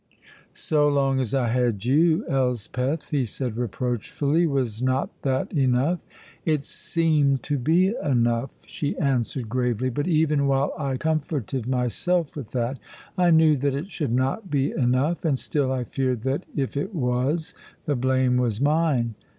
"So long as I had you, Elspeth," he said reproachfully, "was not that enough?" "It seemed to be enough," she answered gravely, "but even while I comforted myself with that, I knew that it should not be enough, and still I feared that if it was, the blame was mine.